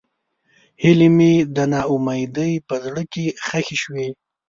هیلې مې د نا امیدۍ په زړه کې ښخې شوې.